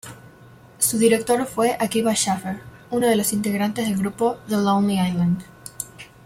Su director fue Akiva Schaffer, uno de los integrantes del grupo The Lonely Island.